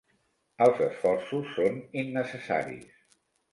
Els esforços són innecessaris.